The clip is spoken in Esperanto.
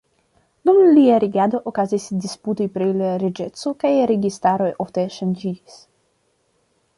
Dum lia regado okazis disputoj pri la reĝeco, kaj registaroj ofte ŝanĝiĝis.